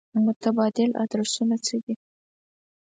متبادل ادرسونه څه دي.